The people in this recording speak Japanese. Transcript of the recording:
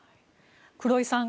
黒井さん